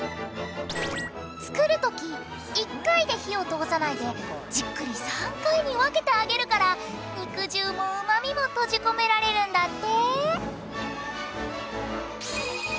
作る時１回で火を通さないでじっくり３回に分けて揚げるから肉汁もうまみも閉じ込められるんだって！